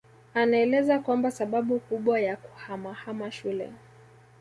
Anaeleza kwamba sababu kubwa ya kuhamahama shule